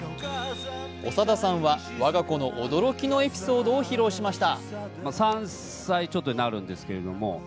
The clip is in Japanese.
長田さんは我が子の驚きのエピソードを披露しました。